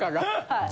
はい。